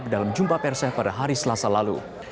dalam jumpa persnya pada hari selasa lalu